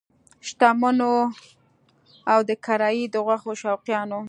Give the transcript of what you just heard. شتمنو او د کړایي د غوښو شوقیانو!